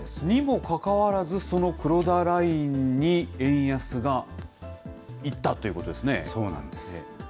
にもかかわらず、その黒田ラインに円安がいったということでそうなんです。